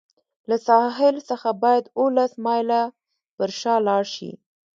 له ساحل څخه باید اوولس مایله پر شا لاړ شي.